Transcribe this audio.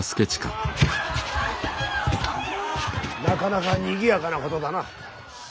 なかなか賑やかなことだな。